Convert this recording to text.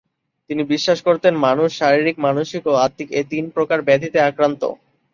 তিনি বিশ্বাস করতেন: মানুষ শারীরিক, মানসিক ও আত্মিক এ তিন প্রকার ব্যাধিতে আক্রান্ত হয়।